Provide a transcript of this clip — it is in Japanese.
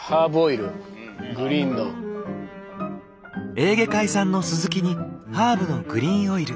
エーゲ海産のスズキにハーブのグリーンオイル